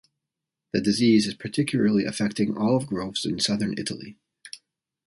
The disease is particularly affecting olive groves in Southern Italy.